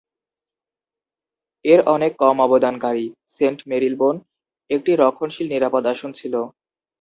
এর অনেক কম অবদানকারী, সেন্ট মেরিলবোন, একটি রক্ষণশীল নিরাপদ আসন ছিল।